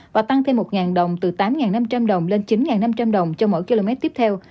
và tăng thêm một đồng từ tám năm trăm linh đồng lên chín năm trăm linh đồng cho mỗi km tiếp theo